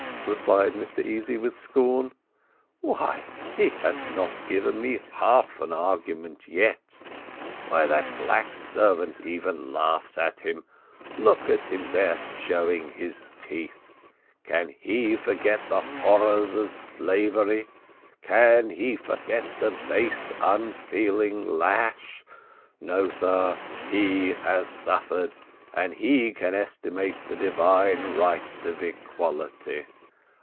replied Mr Easy with scorn, "why, he has not given me half an argument yet why, that black servant even laughs at him look at him there, showing his teeth. Can he forget the horrors of slavery? can he forget the base unfeeling lash? no, sir, he has suffered, and he can estimate the divine right of equality.